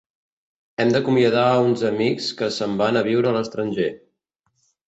Hem d'acomiadar uns amics que se'n van a viure a l'estranger.